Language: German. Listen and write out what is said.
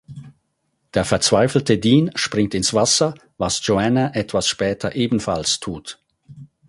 Der verzweifelte Dean springt ins Wasser, was Joanna etwas später ebenfalls tut.